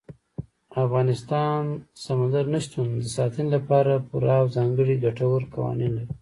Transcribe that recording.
افغانستان د سمندر نه شتون د ساتنې لپاره پوره او ځانګړي ګټور قوانین لري.